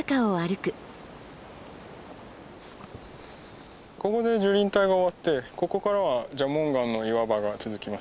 ここで樹林帯が終わってここからは蛇紋岩の岩場が続きます。